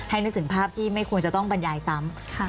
นึกถึงภาพที่ไม่ควรจะต้องบรรยายซ้ำ